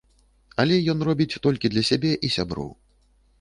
Але ён робіць толькі для сябе і сяброў.